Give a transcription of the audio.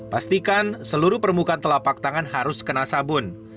pastikan seluruh permukaan telapak tangan harus kena sabun